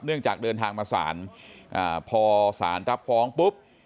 เนื่องจากเดินทางมาศาลพอศาลรับฟ้องปุ๊บ